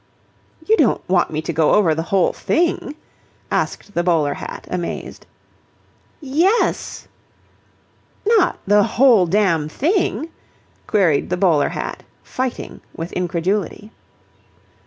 "You don't want me to go over the whole thing?" asked the bowler hat, amazed. "Yes!" "Not the whole damn thing?" queried the bowler hat, fighting with incredulity.